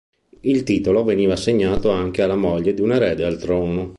Il titolo veniva assegnato anche alla moglie di un erede al trono.